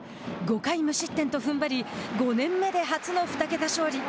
５回無失点とふんばり、５年目で初の２桁勝利。